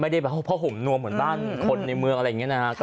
ผ้าห่มนวมเหมือนบ้านคนในเมืองอะไรอย่างนี้นะครับ